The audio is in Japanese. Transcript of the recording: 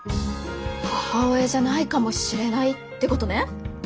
母親じゃないかもしれないってことね。